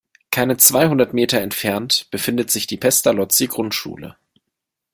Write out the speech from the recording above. Keine zweihundert Meter entfernt befindet sich die Pestalozzi-Grundschule.